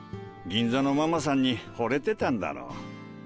銀座のママさんにほれてたんだろ。